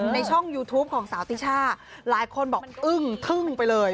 ในช่องยูทูปของสาวติช่าหลายคนบอกอึ้งทึ่งไปเลย